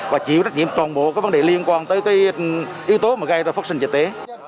và chịu trách nhiệm toàn bộ các vấn đề liên quan tới cái yếu tố mà gây ra phát sinh dịch tế